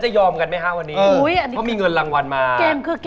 เกมอ่ะเกมเริ่งเริ่งเงินมาเรื่องใหญ่